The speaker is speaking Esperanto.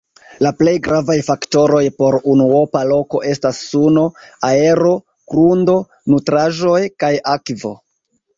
La plej gravaj faktoroj por unuopa loko estas suno, aero, grundo, nutraĵoj, kaj akvo.